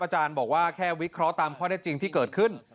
อาจารย์บอกว่าแค่วิเคราะห์ตามข้อได้จริงที่เกิดขึ้น